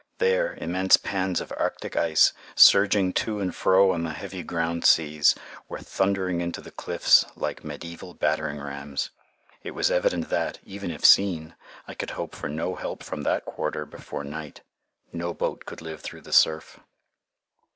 There, immense pans of Arctic ice, surging to and fro on the heavy ground seas, were thundering into the cliffs like medieval battering rams. It was evident that, even if seen, I could hope for no help from that quarter before night. No boat could live through the surf.